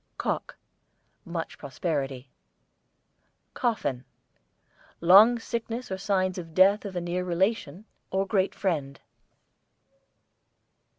COCK, much prosperity. COFFIN, long sickness or sign of death of a near relation or great friend.